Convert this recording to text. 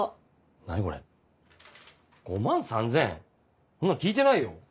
何これ５万３０００円⁉こんなの聞いてないよ。